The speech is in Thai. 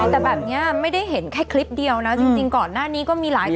แต่แบบนี้ไม่ได้เห็นแค่คลิปเดียวนะจริงก่อนหน้านี้ก็มีหลายคน